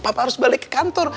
papa harus balik ke kantor